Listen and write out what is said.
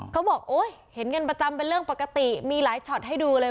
เขาบอกโอ้ยเห็นกันประจำเป็นเรื่องปกติมีหลายช็อตให้ดูเลย